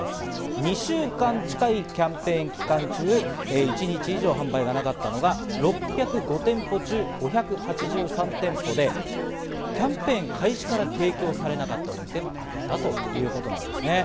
２週間近いキャンペーン期間中、一日以上販売がなかったのが６０５店舗中５８３店舗で、キャンペーン開始から提供されなかったお店もあったということなんですね。